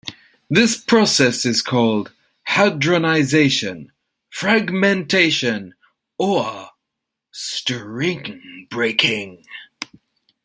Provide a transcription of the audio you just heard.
This process is called "hadronization", "fragmentation", or "string breaking".